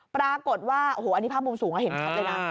ปรากฏว่าโอ้โหอันนี้ภาพมุมสูงเห็นชัดเลยนะ